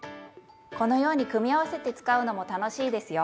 このように組み合わせて使うのも楽しいですよ。